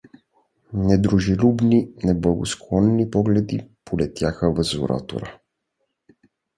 Недружелюбни, неблагосклонни погледи полетяха въз оратора.